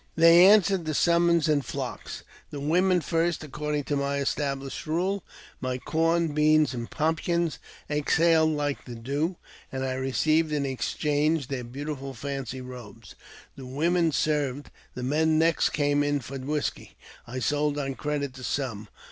They answered the summons in flocks, the women first, according to my estabhshed rule. My corn, beans, and pump kins " exhaled like the dew," and I received in exchange their beautiful fancy robes. The women served, the men next came in for whisky. . I sold on credit to some.